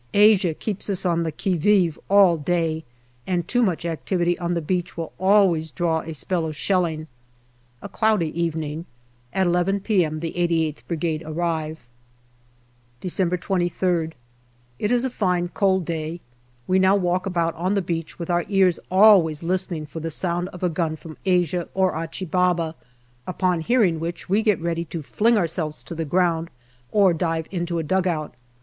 Asia keeps us on the qui vive all day, and too much activity on the beach will always draw a spell of shelling. A cloudy evening. At n p.m. the 88th Brigade arrive. December 23rd. It is a fine, cold day. We now walk about on the beach with our ears always listening for the sound of a gun from Asia or Achi Baba, upon hearing which we get ready to DECEMBER 305 fling ourselves to the ground or dive into a dugout.